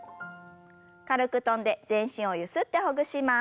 軽く跳んで全身をゆすってほぐします。